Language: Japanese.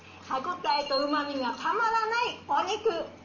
歯応えとうまみがたまらないお肉。